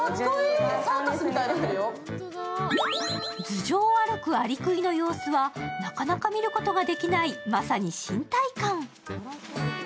頭上を歩くアリクイの様子は、なかなか見ることができないまさに新体感。